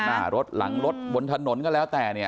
หน้ารถหลังรถบนถนนก็แล้วแต่เนี่ย